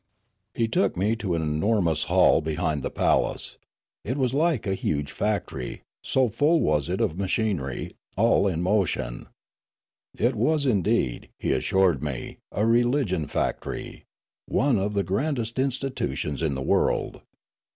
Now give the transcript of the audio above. He took me to an enormous hall behind the palace. 366 Riallaro It was like a huge factory, so full was it of machinery, all in motion. It was, indeed, he assured me, a re ligion factor}', one of the grandest institutions in the world.